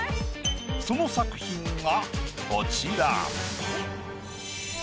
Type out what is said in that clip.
その作品がこちら。